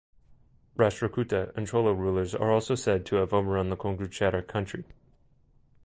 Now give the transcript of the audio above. Rashtrakuta and Chola rulers are also said to have overrun the Kongu Chera country.